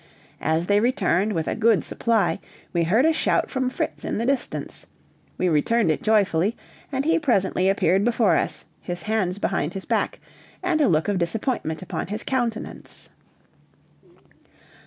As they returned with a good supply we heard a shout from Fritz in the distance; we returned it joyfully, and he presently appeared before us, his hands behind his back, and a look of disappointment upon his countenance.